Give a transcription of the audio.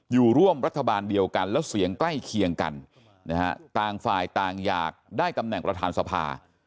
อยู่ร่วมรัฐบาลเดียวกันแล้วเสียงใกล้เคียงกันนะฮะต่างฝ่ายต่างอยากได้ตำแหน่งประธานสภา